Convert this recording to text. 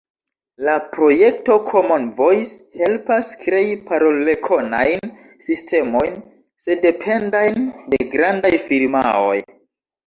La projekto Common Voice helpas krei parolrekonajn sistemojn, sendependajn de grandaj firmaoj.